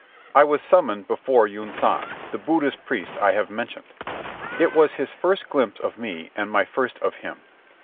I was summoned before Yunsan, the Buddhist priest I have mentioned. It was his first glimpse of me and my first of him.